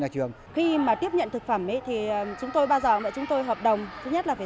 nhà trường khi mà tiếp nhận thực phẩm ấy thì chúng tôi bao giờ chúng tôi hợp đồng thứ nhất là phải